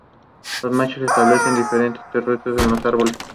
Los machos establecen y defienden territorios en los árboles.